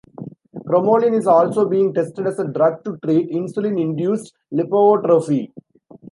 Cromolyn is also being tested as a drug to treat insulin-induced lipoatrophy.